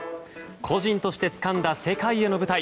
個人としてつかんだ世界への舞台。